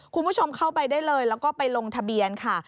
คุณผู้ชมเข้าไปได้เลยแล้วก็ไปลงทะเบียนค่ะ